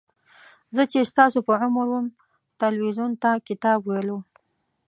زه چې ستاسو په عمر وم تلویزیون ته کتاب ویلو.